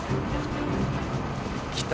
来た！